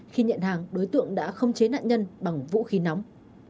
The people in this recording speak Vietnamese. khi nhận hàng đối tượng đã không chế nạn nhân bằng vũ khí nóng